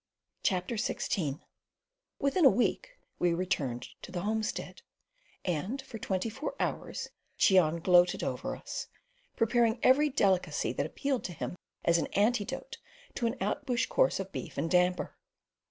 CHAPTER XVI Within a week we returned to the homestead, and for twenty four hours Cheon gloated over us, preparing every delicacy that appealed to him as an antidote to an outbush course of beef and damper.